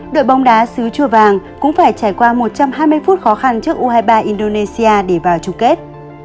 đội bóng đá xứ chùa vàng cũng phải trải qua một trăm hai mươi phút khó khăn trước u hai mươi ba indonesia để vào chung kết